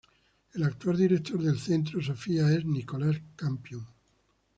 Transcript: El actual director del Centro Sophia es Nicholas Campion.